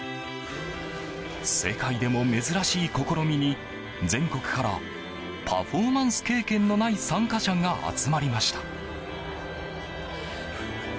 世界でも珍しい試みに全国からパフォーマンス経験のない参加者が集まりました。